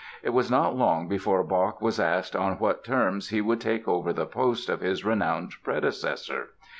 It was not long before Bach was asked on what terms he would take over the post of his renowned predecessor.